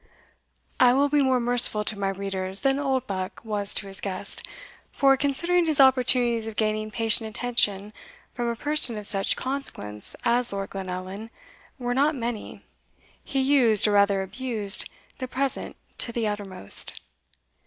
I will be more merciful to my readers than Oldbuck was to his guest; for, considering his opportunities of gaining patient attention from a person of such consequence as Lord Glenallan were not many, he used, or rather abused, the present to the uttermost.